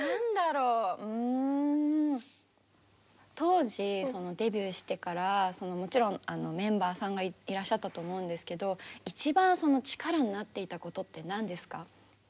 うん当時デビューしてからもちろんメンバーさんがいらっしゃったと思うんですけど一番力になっていたことって何ですか？